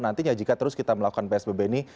nantinya jika terus kita melakukan psbb ini